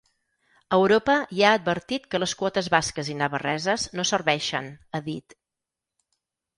Europa ja ha advertit que les quotes basques i navarreses no serveixen, ha dit.